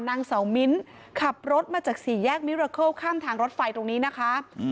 นางเสามิ้นขับรถมาจากสี่แยกมิราเคิลข้ามทางรถไฟตรงนี้นะคะ